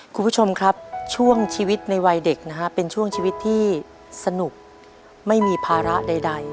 คุณผู้ชมครับช่วงชีวิตในวัยเด็กนะฮะเป็นช่วงชีวิตที่สนุกไม่มีภาระใด